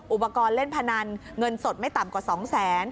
อุปกรณ์เล่นพนันเงินสดไม่ต่ำกว่า๒แสน